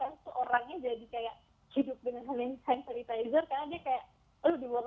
aduh diburu buru lagi hand sanitizer